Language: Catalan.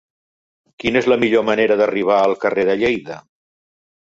Quina és la millor manera d'arribar al carrer de Lleida?